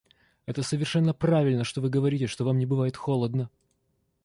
Это совершенно правильно, что вы говорите, что вам не бывает холодно.